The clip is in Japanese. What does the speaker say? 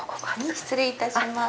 失礼いたします。